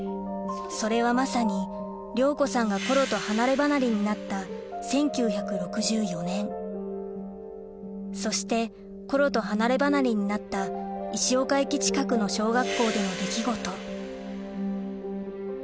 それはまさに亮子さんがコロと離れ離れになった１９６４年そしてコロと離れ離れになった石岡駅近くの小学校での出来事